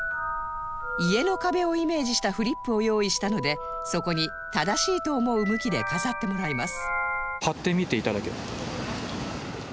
家の壁をイメージしたフリップを用意したのでそこに正しいと思う向きで飾ってもらいます